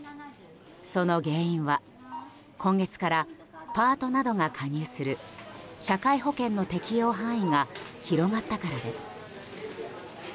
その原因は、今月からパートなどが加入する社会保険の適用範囲が広がったからです。